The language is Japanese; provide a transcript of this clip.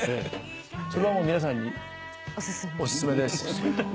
それはもう皆さんにおすすめです。